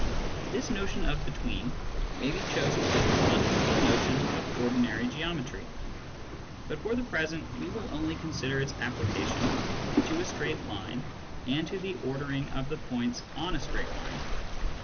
This notion of " between " may be chosen as the fundamental notion of ordinary geometry ; but for the present we will only consider its application to a single straight line and to the ordering of the points on a straight line.